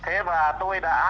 thế và tôi đã